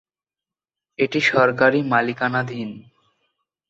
এটি সরকারি মালিকানাধীন।